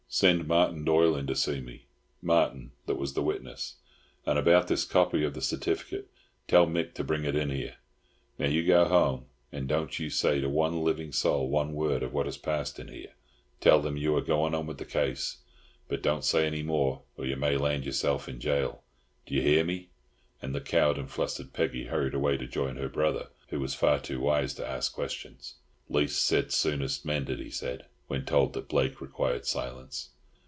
Send Martin Doyle in to see me, Martin that was the witness. And about this copy of the certificate, tell Mick to bring it in here. Now you go home, and don't you say to one living soul one word of what has passed in here. Tell them you are going on with the case, but don't say any more, or you may land yourself in gaol. Do you hear me?" And the cowed and flustered Peggy hurried away to join her brother, who was far too wise to ask questions. "Least said soonest mended," he said, when told that Blake required silence.